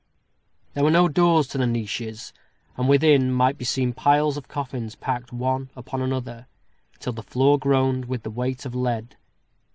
There were no doors to the niches; and within might be seen piles of coffins, packed one upon another, till the floor groaned with the weight of lead.